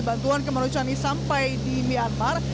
bantuan kemanusiaan ini sampai di myanmar